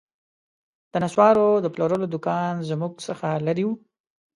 د نسوارو د پلورلو دوکان زموږ څخه لیري و